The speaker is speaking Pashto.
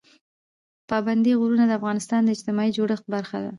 پابندی غرونه د افغانستان د اجتماعي جوړښت برخه ده.